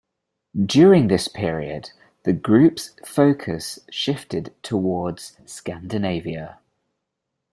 During this period the group's focus shifted towards Scandinavia.